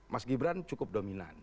mas gibran cukup dominan